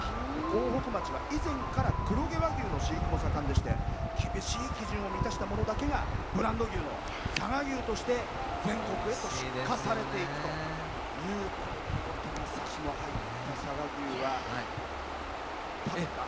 江北町は以前から黒毛和牛の飼育も盛んでして厳しい基準を満たしたものだけがブランド牛の佐賀牛として全国へと出荷されていくという見事なサシの入った佐賀牛は食べた？